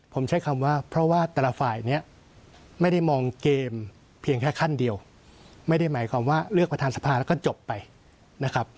ผมใช้คำว่าเพราะว่าแต่ละฝ่ายเนี่ยไม่ได้มองเกมเพียงแค่ขั้นเดียวไม่ได้หมายความว่าเลือกประธานสภาแล้วก็จบไปนะครับ